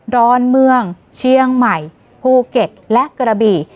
อนเมืองเชียงใหม่ภูเก็ตและกระบี่